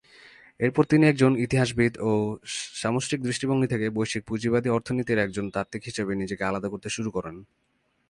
এরপর তিনি একজন ইতিহাসবিদ ও সামষ্টিক দৃষ্টিভঙ্গি থেকে বৈশ্বিক পুঁজিবাদী অর্থনীতির একজন তাত্ত্বিক হিসেবে নিজেকে আলাদা করতে শুরু করেন।